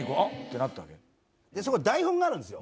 そこは台本があるんですよ